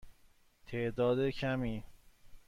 تعداد کمی.